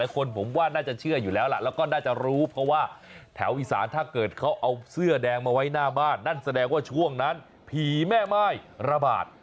เขาเอาเสื้อแดงมาไว้หน้าบ้านนั่นแสดงว่าช่วงนั้นผีแม่ไม้ระบาด